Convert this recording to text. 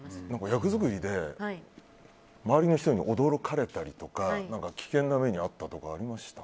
役作りで周りの人に驚かれたりとか危険な目に遭ったとかありました？